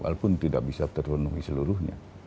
walaupun tidak bisa terpenuhi seluruhnya